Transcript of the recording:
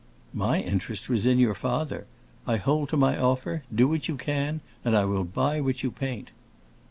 "My interest was in your father. I hold to my offer; do what you can, and I will buy what you paint."